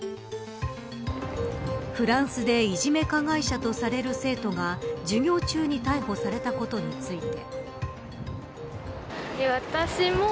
フランスでいじめ加害者とされる生徒が授業中に逮捕されたことについて。